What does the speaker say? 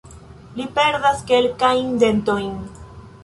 Li perdas kelkajn dentojn.